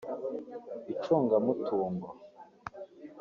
icungamutungo